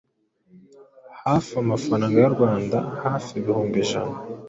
hafi amafaranga y’u Rwanda hafi ibihumbi ijana.